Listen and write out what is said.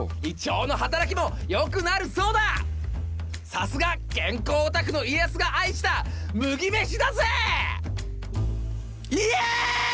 さすが健康オタクの家康が愛した麦飯だぜ！